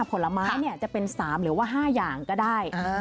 ผลไม้จะเป็น๓๕อย่างก็ได้